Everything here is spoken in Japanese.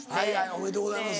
おめでとうございます。